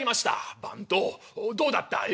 「番頭どうだった？え？